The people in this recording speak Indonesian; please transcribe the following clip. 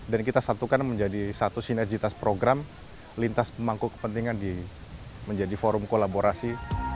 dan kita satukan menjadi satu sinergitas program lintas pemangku kepentingan menjadi forum kolaborasi